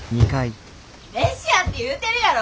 飯やって言うてるやろ！